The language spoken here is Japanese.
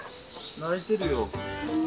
鳴いてるよ。